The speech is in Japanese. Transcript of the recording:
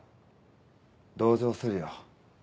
同情するよ。